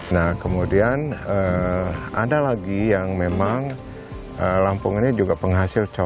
nah kemudian ada lagi yang memang lampung ini juga penghasil com